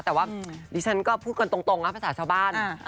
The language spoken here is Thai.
แต่ว่าดิฉันก็พูดกันตรงนะภาษาชาวบ้าน